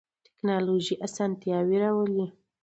تکنالوژی اسانتیا راولی